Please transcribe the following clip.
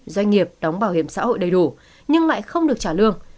doanh nghiệp đóng bảo hiểm xã hội đầy đủ nhưng lại không được trả lương